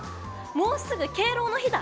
もうすぐ敬老の日だ！